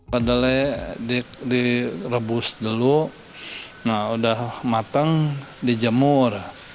kedelai direbus dulu nah udah matang dijemur